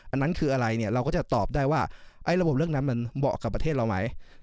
อันนั้นคืออะไรเนี่ยเราก็จะตอบได้ว่าระบบเรื่องนั้นมันเหมาะกับประเทศเราไหม